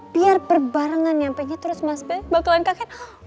biar berbarengan nyampenya terus mas bey bakalan kaken